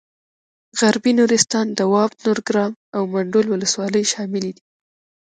غربي نورستان دواب نورګرام او منډول ولسوالۍ شاملې دي.